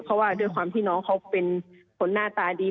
เพราะว่าด้วยความที่น้องเขาเป็นคนหน้าตาดี